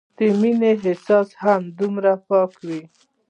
د مينې احساس هم دومره پاک وو